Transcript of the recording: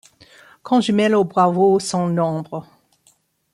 Quand je mêle aux bravos sans nombre